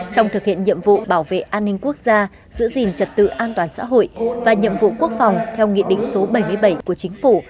trong thực hiện nhiệm vụ bảo vệ an ninh quốc gia giữ gìn trật tự an toàn xã hội và nhiệm vụ quốc phòng theo nghị định số bảy mươi bảy của chính phủ